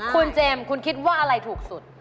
คุณเจมส์คุณคิดว่าอะไรถูกสุด